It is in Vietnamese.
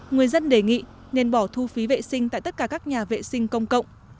người dân đề nghị nên bỏ thu phí vệ sinh tại tất cả các nhà vệ sinh công cộng